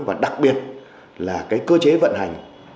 và đặc biệt là cơ chế vận hành